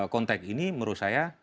konteks ini menurut saya